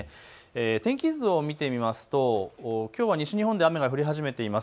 天気図を見てみますときょうは西日本の雨が降り始めています。